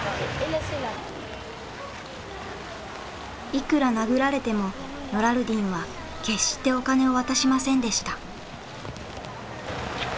いくら殴られてもノラルディンは決してお金を渡しませんでした。